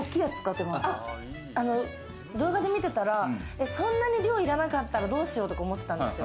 動画でみてたら、そんなに量いらなかったらどうしようって思ってたんですよ。